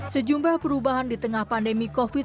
sejumlah perubahan di tengah pandemi covid sembilan belas